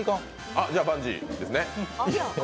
あっ、じゃあバンジーですね